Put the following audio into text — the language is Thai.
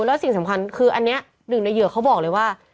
แล้วสิ่งสำคัญคืออันนี้หนึ่งในเหยื่อเขาบอกเลยว่า